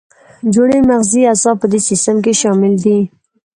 جوړې مغزي اعصاب په دې سیستم کې شامل دي.